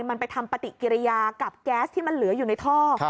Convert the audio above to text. มันไปทำปฏิกิริยากับแก๊สที่มันเหลืออยู่ในท่อ